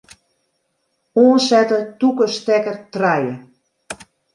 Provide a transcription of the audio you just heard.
Oansette tûke stekker trije.